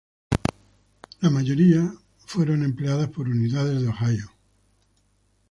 La mayoría fueron empleadas por unidades de Ohio.